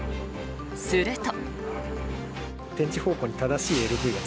すると。